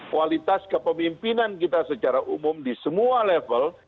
kualitas kepemimpinan kita secara umum di semua level